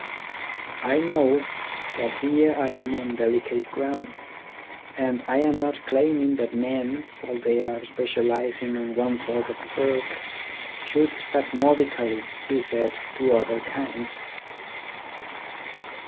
I know that here I am on delicate ground, and I am not claiming that men while they are specialising on one sort of work should spasmodically be set to other kinds.